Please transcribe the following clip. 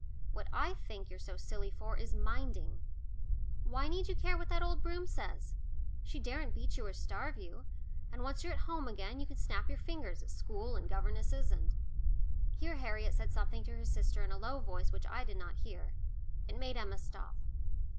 What I think you're so silly for is minding why need you care what that old Broom says? She daren't beat you or starve you, and once you're at home again you can snap your fingers at school and governesses and " Here Harriet said something to her sister in a low voice which I did not hear. It made Emma stop.